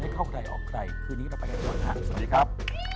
ขอบคุณครับ